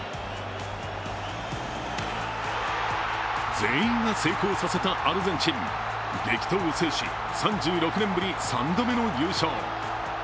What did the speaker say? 全員が成功させたアルゼンチン、激闘を制し、３６年ぶり３度目の優勝。